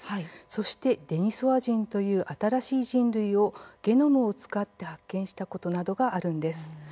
そして、デニソワ人という新しい人類を、ゲノムを使って発見したことなどがあるんです。